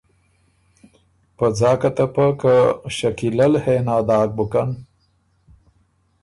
په ځاکه ته پۀ که شکیلۀ ل ”هې نا“ داک بُکن